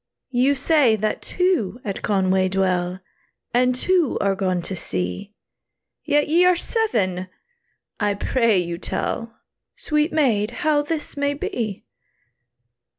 "You say that two at Conway dwell, And two are gone to sea, Yet ye are seven! I pray you tell, Sweet maid, how this may be."